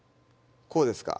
こうですか？